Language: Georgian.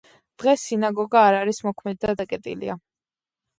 დღეს სინაგოგა არ არის მოქმედი და დაკეტილია.